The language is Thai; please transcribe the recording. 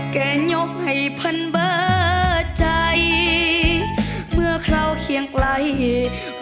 แกยกให้พันเบอร์ใจเมื่อคราวเคียงไกล